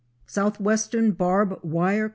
Southwestern Barb Wire Co.